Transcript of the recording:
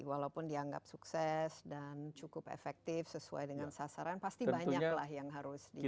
walaupun dianggap sukses dan cukup efektif sesuai dengan sasaran pasti banyaklah yang harus di